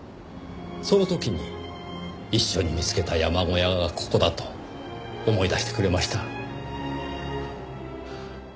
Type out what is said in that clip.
その時に一緒に見つけた山小屋がここだと思い出してくれました。